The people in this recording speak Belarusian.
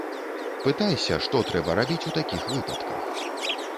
Пытайся, што трэба рабіць у такіх выпадках.